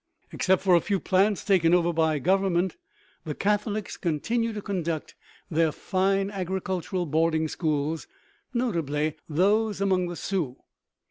Except for a few plants taken over by the Government, the Catholics continue to conduct their fine agricultural boarding schools, notably those among the Sioux.